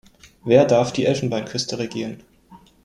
Wer darf die Elfenbeinküste regieren?